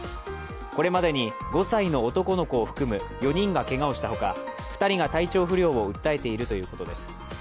これまでに５歳の男の子を含む４人がけがをしたほか２人が体調不良を訴えているということです。